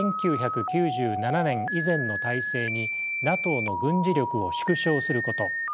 １９９７年以前の態勢にＮＡＴＯの軍事力を縮小すること